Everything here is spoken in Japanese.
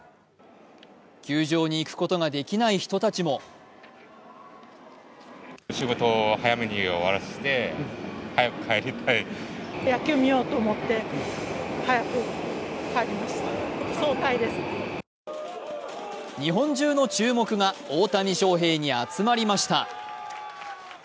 球場に行くことができない人たちも日本中の注目が大谷翔平に集まりました。